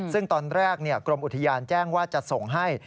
ซึ่งตอนแรกกรมอุทยานแจ้งว่าจะส่งให้